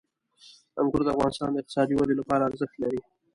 انګور د افغانستان د اقتصادي ودې لپاره ارزښت لري.